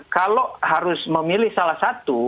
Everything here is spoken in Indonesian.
kalau harus memilih salah satu